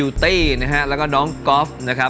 เลือกพี่ป๋องก็ได้ค่ะ